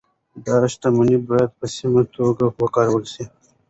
دا شتمني باید په سمه توګه وکارول شي.